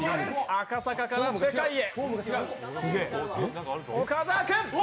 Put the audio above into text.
赤坂から世界へ！